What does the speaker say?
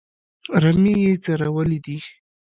رمې یې څرولې دي.